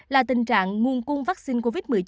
là tình trạng nguồn cung vaccine covid một mươi chín